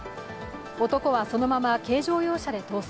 男はそのまま軽乗用車で逃走。